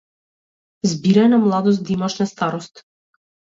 Збирај на младост, да имаш на старост.